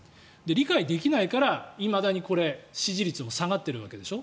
理解できないからいまだにこれ、支持率は下がってるわけでしょ。